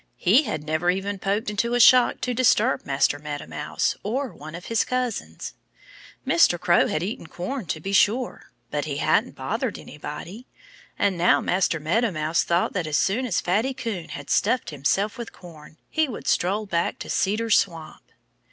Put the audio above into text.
He had never even poked into a shock to disturb Master Meadow Mouse or one of his cousins. Mr. Crow had eaten corn, to be sure. But he hadn't bothered anybody. And now Master Meadow Mouse thought that as soon as Fatty Coon had stuffed himself with corn he would stroll back to Cedar Swamp.